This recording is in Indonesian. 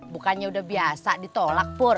bukannya udah biasa ditolak pur